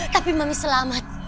tapi mami selamat